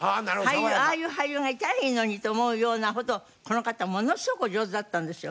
ああいう俳優がいたらいいのにと思うようなほどこの方ものすごくお上手だったんですよ。